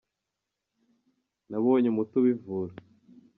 nabonye umuti ubivura.